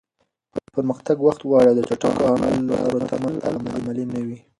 پرمختګ وخت غواړي او د چټکو حل لارو تمه تل عملي نه وي.